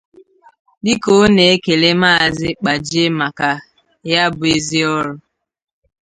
Dịka ọ na-ekele Maazị Kpajie maka ya bụ ezi ọrụ